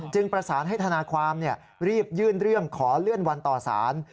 ประสานให้ธนาความรีบยื่นเรื่องขอเลื่อนวันต่อสาร